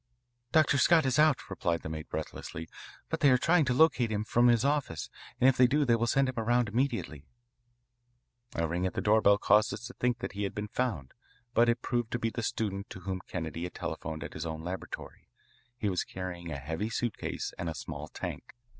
"Dr. Scott is out," reported the maid breathlessly, "but they are trying to locate him from his office, and if they do they will send him around immediately." A ring at the doorbell caused us to think that he had been found, but it proved to be the student to whom Kennedy had telephoned at his own laboratory. He was carrying a heavy suitcase and a small tank.